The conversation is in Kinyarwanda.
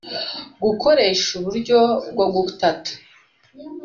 gukoresha uburyo bwo gutata